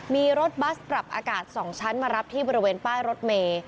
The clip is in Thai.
มีรถบัสปรับอากาศ๒ชั้นมารับที่บริเวณป้ายรถเมย์